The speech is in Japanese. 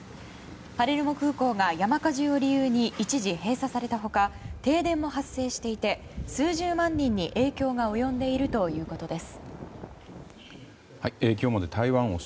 パレルモ空港が山火事を理由に一時閉鎖された他停電も発生していて数十万人に影響が及んでいるということです。